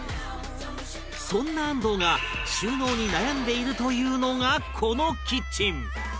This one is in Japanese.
そんな安藤が収納に悩んでいるというのがこのキッチン